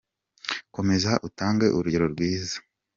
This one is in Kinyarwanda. komeza utange urugero rwiza.